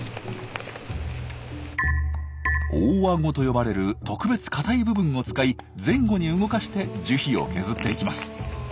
「大アゴ」と呼ばれる特別硬い部分を使い前後に動かして樹皮を削っていきます。